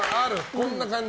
こんな感じ？